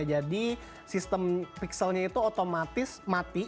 jadi sistem pixelnya itu otomatis mati